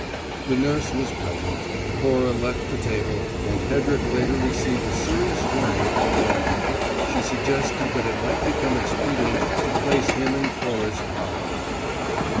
The nurse was present: Cora left the table; and Hedrick later received a serious warning from Laura. She suggested that it might become expedient to place him in Cora's power.